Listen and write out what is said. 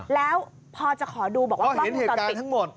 แล้วพอจะขอดูบอกว่ากล้องวงจรปิดเห็นเหตุการณ์ทั้งหมด